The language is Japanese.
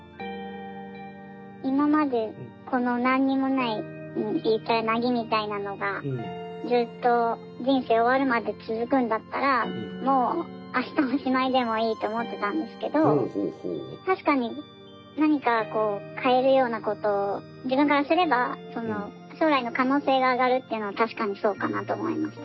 今までこの何にもない言ったらなぎみたいなのがずっと人生終わるまで続くんだったらもうあしたおしまいでもいいと思ってたんですけど確かに何か変えるようなことを自分からすれば将来の可能性が上がるというのは確かにそうかなと思いました。